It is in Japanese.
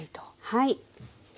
はい。